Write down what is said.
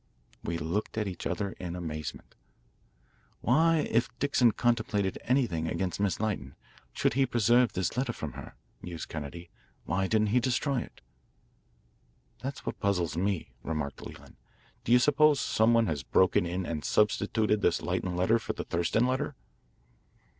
We looked at each other in amazement. "Why, if Dixon contemplated anything against Miss Lytton, should he preserve this letter from her?" mused Kennedy. "Why didn't he destroy it?" "That's what puzzles me," remarked Leland. "Do you suppose some one has broken in and substituted this Lytton letter for the Thurston letter?